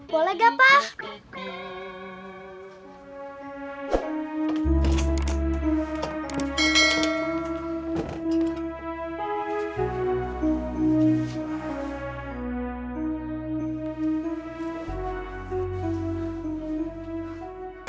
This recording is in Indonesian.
boleh nggak pak